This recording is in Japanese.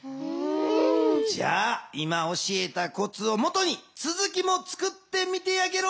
じゃあ今教えたコツをもとにつづきもつくってみてやゲロ。